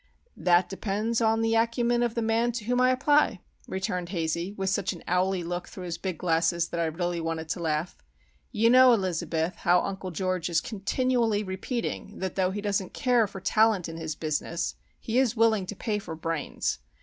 "That depends upon the acumen of the man to whom I apply," returned Hazey, with such an owly look through his big glasses that I really wanted to laugh. "You know, Elizabeth, how Uncle George is continually repeating that though he doesn't care for talent in his business he is willing to pay for 'brains.